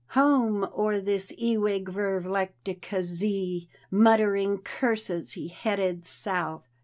Home o'er this ewig vervlekte zee! " Muttering curses, he headed south.